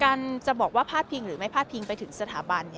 การจะบอกว่าพาดพิงหรือไม่พาดพิงไปถึงสถาบัน